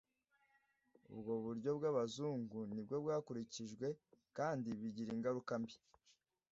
ubwo buryo bw'abazungu ni bwo bwakurikijwe kandi bigira ingaruka mbi